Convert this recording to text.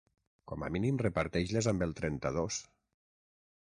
Com a mínim reparteix-les amb el trenta-dos.